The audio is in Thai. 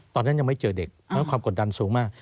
ตอนนั้นยังไม่เจอเด็กเพราะความกดดันสูงมาก